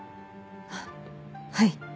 あっはい。